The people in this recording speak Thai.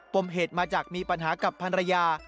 มเหตุมาจากมีปัญหากับภรรยา